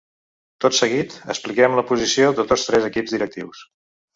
Tot seguit, expliquem la posició de tots tres equips directius.